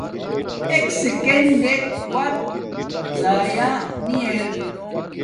ایک سکینڈ وقت زیعہ نی ار